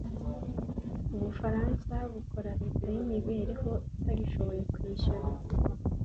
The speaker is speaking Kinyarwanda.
Ubufaransa bukora leta yimibereho itagishoboye kwishyura. .